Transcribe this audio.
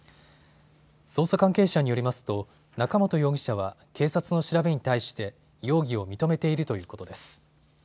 捜査関係者によりますと中本容疑者は警察の調べに対して容疑を認めているということです。